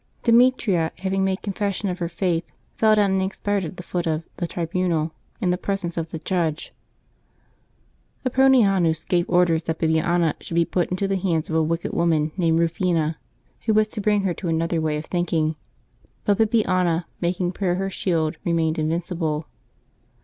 Demetria, having made confession of her faith, fell down and expired at the foot of the tribunal, in the presence of the judge. Apronianus gave orders that December 3] LIVES OF THE SAINTS 371 Bibiana should be put into the hands of a wicked woman named Eufina, who was to bring her to another way of thinking; but Bibiana, making prayer her shield, remained inyincible.